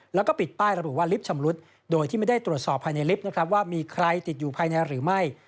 แล้วก็ปิดป้ายระบุว่าลิฟต์ชำรุดโดยที่ไม่ได้ตรวจสอบภายในลิฟต์นะครับว่ามีใครติดอยู่ภายในหรือไม่